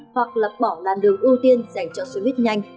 hoặc lập bỏ làn đường ưu tiên dành cho xe buýt nhanh